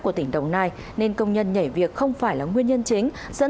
của tỉnh đồng nai nên công nhân nhảy việc không phải là nguyên nhân chính dẫn